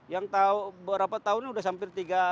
yang tahu berapa tahunnya sudah sampai tiga ratus tahun